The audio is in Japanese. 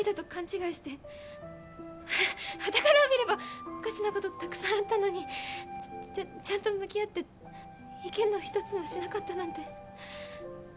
ハハッはたから見ればおかしな事たくさんあったのにちゃんと向き合って意見のひとつもしなかったなんて。